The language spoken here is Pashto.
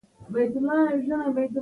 هغه نور دوه تنه ترکیې ته رسېدلي وه.